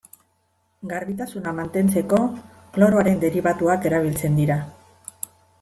Garbitasuna mantentzeko kloroaren deribatuak erabiltzen dira.